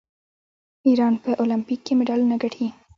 ایران په المپیک کې مډالونه ګټي.